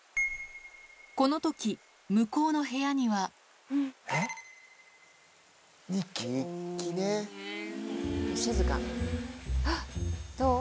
この時向こうの部屋にはどう？